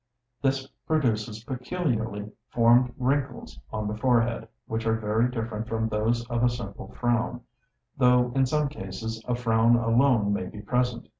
This produces peculiarly formed wrinkles on the forehead, which are very different from those of a simple frown; though in some cases a frown alone may be present.